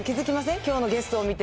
きょうのゲストを見て。